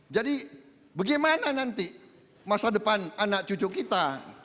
jadi bagaimana nanti masa depan anak cucu kita